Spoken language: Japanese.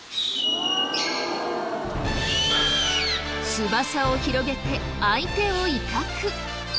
翼を広げて相手を威嚇。